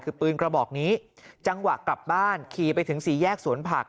คือปืนกระบอกนี้จังหวะกลับบ้านขี่ไปถึงสี่แยกสวนผัก